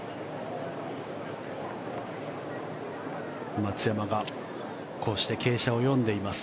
松山がこうして傾斜を読んでいます。